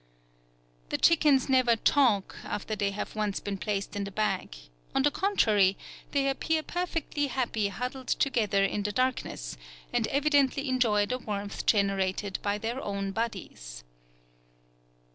The chickens never "talk" after they have once been placed in the bag; on the contrary, they appear perfectly happy huddled together in the darkness, and evidently enjoy the warmth generated by their own bodies.